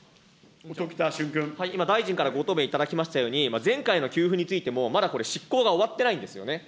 今、大臣からご答弁いただきましたように、前回の給付についても、まだこれ、執行が終わってないんですよね。